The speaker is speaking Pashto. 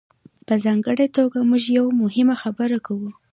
په ځانګړې توګه موږ یوه مهمه خبره کوو.